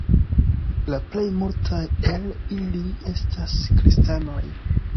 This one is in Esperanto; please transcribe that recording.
La plej multaj el ili estas kristanoj.